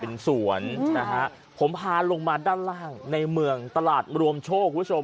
เป็นสวนนะฮะผมพาลงมาด้านล่างในเมืองตลาดรวมโชคคุณผู้ชม